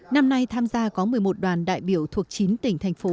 năm nay tham gia có một mươi một đoàn đại biểu thuộc chín tỉnh thành phố và thành phố